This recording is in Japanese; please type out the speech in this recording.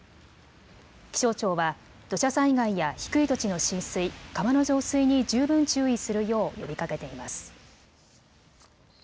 気象庁は土砂災害や低い土地の浸水、川の増水に十分注意するよう呼びかけています。